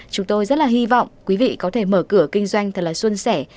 chúng tôi rất là hy vọng quý vị có thể mở cửa kinh doanh thật là xuân sẻ